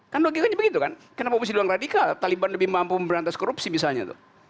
kan logikanya begitu kan kenapa posisi ruang radikal taliban lebih mampu memberantas korupsi misalnya tuh